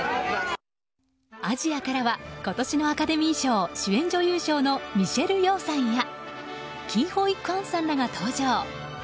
アジアからは今年のアカデミー賞主演女優賞のミシェル・ヨーさんやキー・ホイ・クァンさんらが登場。